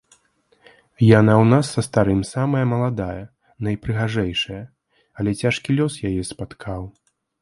Яна ў нас са старым самая маладая, найпрыгажэйшая, але цяжкі лёс яе спаткаў.